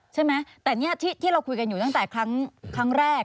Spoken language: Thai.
ใช่ไหมแต่นี่ที่เราคุยกันอยู่ตั้งแต่ครั้งแรก